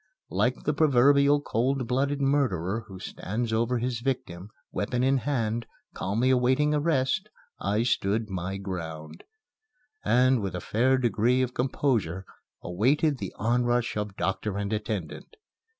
Like the proverbial cold blooded murderer who stands over his victim, weapon in hand, calmly awaiting arrest, I stood my ground, and, with a fair degree of composure, awaited the onrush of doctor and attendant.